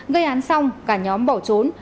gây án xong cả nhóm bỏ trốn